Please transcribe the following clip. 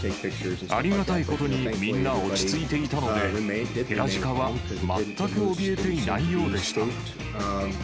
ありがたいことにみんな落ち着いていたので、ヘラジカは全くおびえていないようでした。